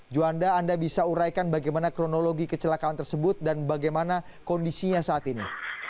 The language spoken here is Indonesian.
juanda anda bisa uraikan bagaimana kronologi kecelakaan tersebut dan bagaimana kondisinya saat ini